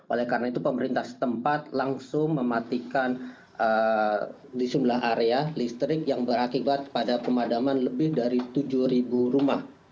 oleh karena itu pemerintah setempat langsung mematikan di sebelah area listrik yang berakibat pada pemadaman lebih dari tujuh rumah